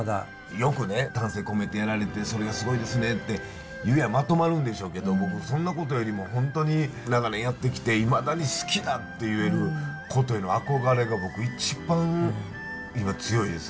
よくね丹精込めてやられてそれがすごいですねって言やまとまるんでしょうけど僕そんなことよりも本当に長年やってきていまだに好きだって言えることへの憧れが僕一番今強いです。